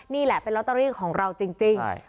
นี่แหละเป็นลอตเตอรี่ของเราจริง